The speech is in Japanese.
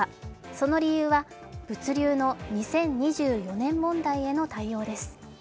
その理由は物流の２０２４年問題への対応です。